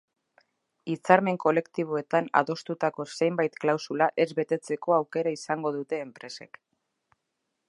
Hitzarmen kolektiboetan adostutako zenbait klausula ez betetzeko aukera izango dute enpresek.